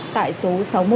tại số sáu mươi một trần phú